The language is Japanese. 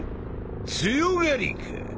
強がりか？